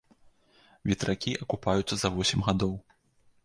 Ветракі акупаюцца за восем гадоў.